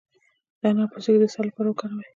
د انار پوستکی د اسهال لپاره وکاروئ